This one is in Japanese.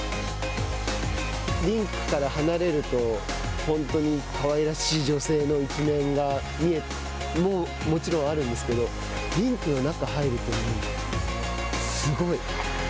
リンクから離れると本当にかわいらしい女性の一面がもちろんあるんですけどリンクの中に入るとすごい。